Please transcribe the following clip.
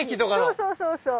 そうそうそうそう。